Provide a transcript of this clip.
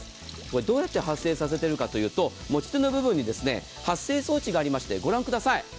どうやって発生させているかというと持ち手の部分に発生装置がありましてご覧ください。